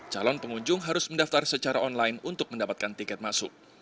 calon pengunjung harus mendaftar secara online untuk mendapatkan tiket masuk